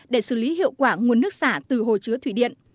để xử lý hiệu quả nguồn nước xả từ hồ chứa thủy điện